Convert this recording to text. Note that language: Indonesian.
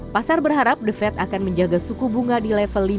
pasar berharap defed akan menjaga suku bunga di level lima dua puluh lima persen